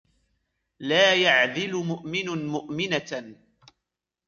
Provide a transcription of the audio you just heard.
لَا يَعْذِلُ مُؤْمِنٌ مُؤْمِنَةً